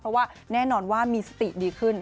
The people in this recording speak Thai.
เพราะว่าแน่นอนว่ามีสติดีขึ้น